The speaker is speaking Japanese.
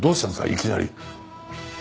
いきなり。